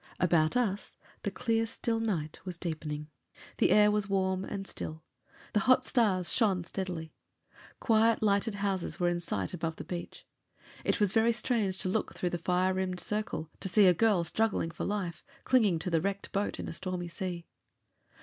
About us, the clear still night was deepening. The air was warm and still; the hot stars shone steadily. Quiet lighted houses were in sight above the beach. It was very strange to look through the fire rimmed circle, to see a girl struggling for life, clinging to a wrecked boat in a stormy sea.